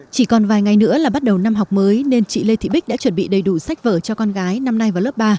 chỉ còn vài ngày nữa là bắt đầu năm học mới nên chị lê thị bích đã chuẩn bị đầy đủ sách vở cho con gái năm nay vào lớp ba